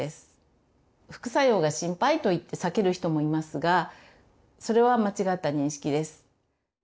副作用が心配と言って避ける人もいますがそれは間違った認識です。